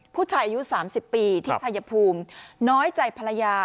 ผู้ชายอายุ๓๐ปีที่ชายภูมิน้อยใจภรรยา